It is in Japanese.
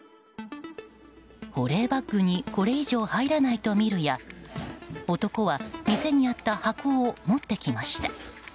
保冷バッグにこれ以上入らないと見るや男は店にあった箱を持ってきました。